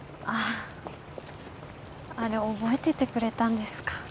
ああれ覚えててくれたんですか？